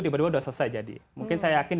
tiba tiba sudah selesai jadi mungkin saya yakin